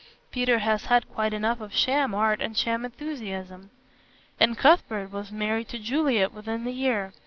Peter has had quite enough of sham art and sham enthusiasm. And Cuthbert was married to Juliet within the year.